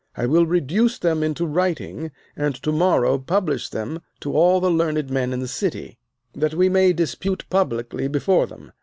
I will reduce them into writing, and to morrow publish them to all the learned men in the city, that we may dispute publicly before them.